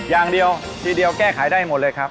อย่างเดียวทีเดียวแก้ไขได้หมดเลยครับ